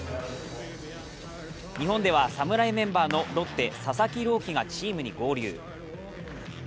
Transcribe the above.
日本では侍メンバーのロッテ佐々木朗希がチームに合流。